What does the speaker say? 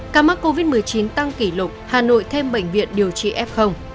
ca mắc covid một mươi chín tăng kỷ lục hà nội thêm bệnh viện điều trị f